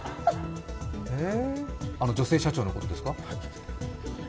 あの女性社長のことですか。